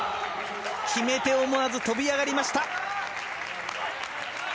決めて思わず飛び上がりました。